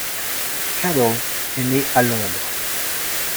Cadell est né à Londres.